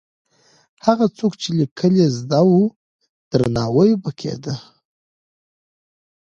هغه څوک چې لیکل یې زده وو، درناوی یې کېده.